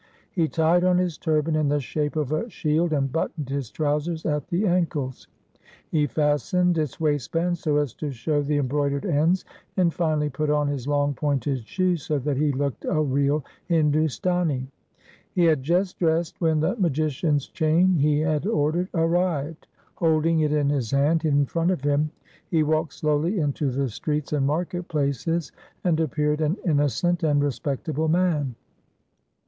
He tied on his turban in the shape of a shield, and buttoned his trousers at the ankles. He fastened its waistband so as to show the embroidered ends, and finally put on his long pointed shoes so that he looked a real Hindustani. He had just dressed when the magician's chain he had ordered arrived. Holding it in his hand in front of him, he walked slowly into the streets and market places and appeared an innocent and respectable man.